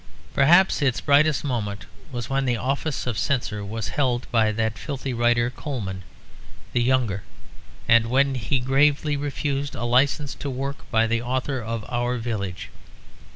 Perhaps its brightest moment was when the office of censor was held by that filthy writer, Colman the younger; and when he gravely refused to license a work by the author of Our Village.